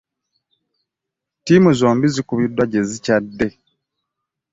Ttiimu zombi zikubiddwa gye zikyadde.